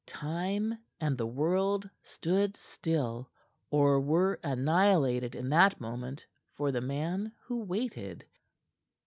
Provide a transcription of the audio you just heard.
Time and the world stood still, or were annihilated in that moment for the man who waited.